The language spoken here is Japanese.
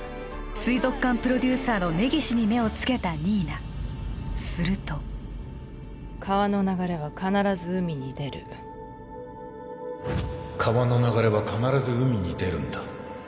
水族館プロデューサーの根岸に目をつけた新名すると川の流れは必ず海に出る川の流れは必ず海に出るんだ